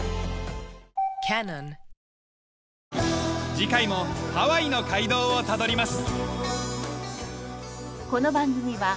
次回もハワイの街道をたどります。